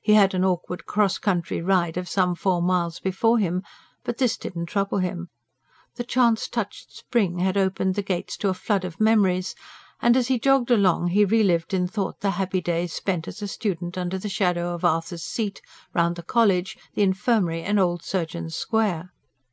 He had an awkward cross country ride of some four miles before him; but this did not trouble him. The chance touched spring had opened the gates to a flood of memories; and, as he jogged along, he re lived in thought the happy days spent as a student under the shadow of Arthur's Seat, round the College, the Infirmary and old Surgeons' Square.